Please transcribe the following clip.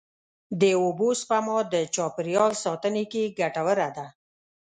د اوبو سپما د چاپېریال ساتنې کې ګټوره ده.